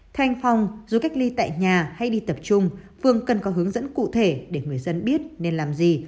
thanh phong dù cách ly tại nhà hay đi tập trung phường cần có hướng dẫn cụ thể để người dân biết nên làm gì